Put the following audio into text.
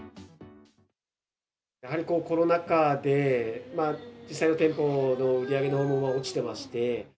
やはりコロナ禍で、実際の店舗の売り上げのほうも落ちてまして。